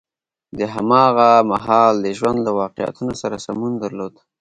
د هماغه مهال د ژوند له واقعیتونو سره سمون درلود.